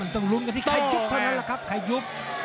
ต้องลุ้นกันที่ใครยุบเท่านั้นแหละครับใครยุบ